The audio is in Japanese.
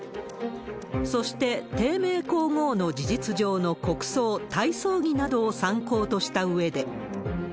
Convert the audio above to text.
そして、貞明皇后の事実上の国葬、大葬儀などを参考としたうえで。